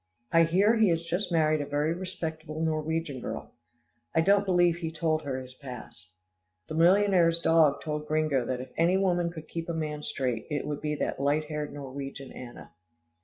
I hear he has just married a very respectable Norwegian girl. I don't believe he told her his past. The millionaire's dog told Gringo that if any woman could keep a man straight, it would be that light haired Norwegian Anna.